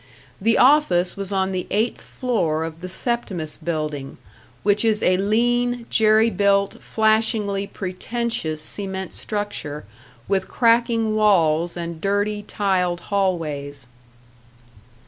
The office was on the eighth floor of the Septimus Building, which is a lean, jerry built, flashingly pretentious cement structure with cracking walls and dirty, tiled hallways.